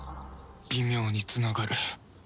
微妙につながる